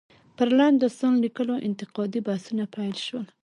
پر لنډ داستان ليکلو انتقادي بحثونه پيل شول.